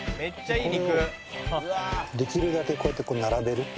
これをできるだけこうやって並べる。